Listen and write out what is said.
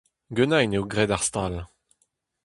Ganin eo graet ar stal.